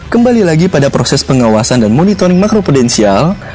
kembali lagi pada proses pengawasan dan monitoring makro prudensial